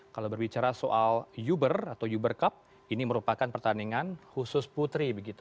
kalau berbicara soal uber atau yuber cup ini merupakan pertandingan khusus putri begitu